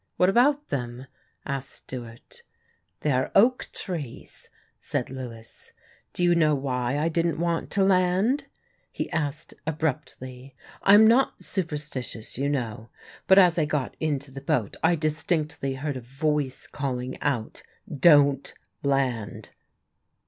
"What about them?" asked Stewart. "They are oak trees," said Lewis. "Do you know why I didn't want to land?" he asked abruptly. "I am not superstitious, you know, but as I got into the boat I distinctly heard a voice calling out: 'Don't land!